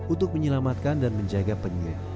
untuk menyelamatkan dan menjaga penyuh